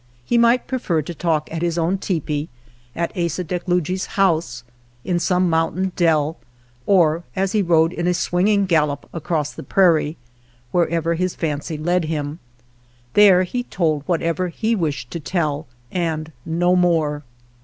He might prefer to talk at his own tepee, at Asa Deklugie's house, in some mountain dell, or as he rode in a swinging gallop across the prairie; wherever his fancy led him, there he told whatever he wished to tell and no more.